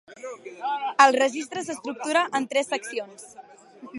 El Registre s'estructura en tres seccions.